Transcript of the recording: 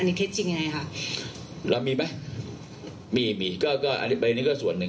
อันนี้เคล็ดจริงยังไงฮะแล้วมีมั้ยมีมีก็ก็อันนี้อันนี้ก็ส่วนหนึ่ง